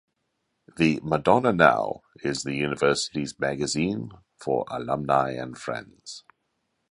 The "Madonna Now" is the university's magazine for alumni and friends.